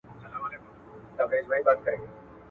پر مځکي باندي د پښو نښي ښکاري.